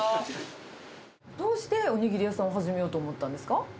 どうして、お握り屋さんを始めようと思ったんですか？